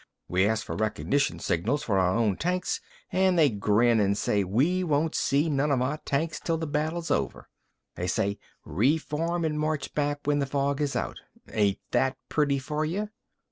We ask for recognition signals for our own tanks, an' they grin an' say we won't see none of our tanks till the battle's over. They say 'Re form an' march back when the fog is out.' Ain't that pretty for you?"